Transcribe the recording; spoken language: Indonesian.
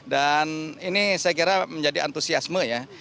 dan ini saya kira menjadi antusiasme ya